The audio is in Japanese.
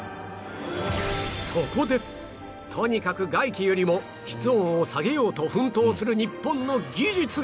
そこでとにかく外気よりも室温を下げようと奮闘する日本の技術が